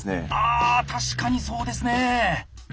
あ確かにそうですね。